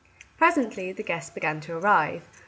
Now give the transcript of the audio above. Presently the guests began to arrive.